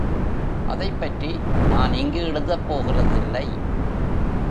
அதைப்பற்றி நான் இங்கு எழுதப் போகிறதில்லை.